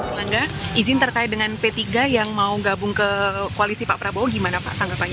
pak langga izin terkait dengan p tiga yang mau gabung ke koalisi pak prabowo gimana pak tanggapannya